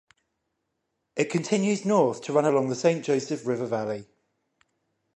It continues north to run along the Saint Joseph River valley.